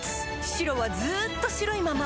白はずっと白いまま